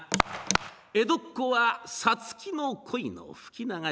「江戸っ子は五月の鯉の吹き流し。